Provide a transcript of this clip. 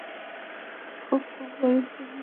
খুব কম পরিশ্রমে সে এক ঘণ্টা পার করতে চায়।